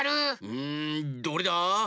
うんどれだ？